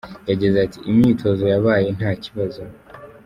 Yagize ati “Imyitozo yabaye nta kibazo.